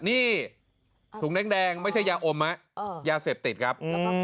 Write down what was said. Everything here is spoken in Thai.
นี่ถุงแดงไม่ใช่ยาอมยาเสพติดครับ